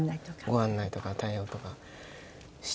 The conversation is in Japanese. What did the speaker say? ご案内とか対応とかして。